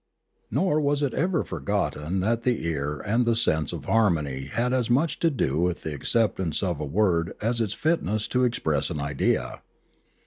Nor was it ever forgotten that the ear and the sense of harmony had as much to do with the acceptance of a word as its fitness to express an idea.